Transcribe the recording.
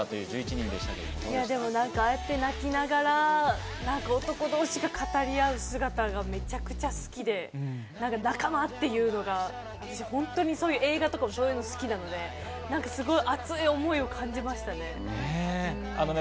みんな泣きながら男同士が語り合う姿がめちゃくちゃ好きで、仲間っていうのが、私、本当に映画とかもそういうのが好きなので熱い思いを感じましたね。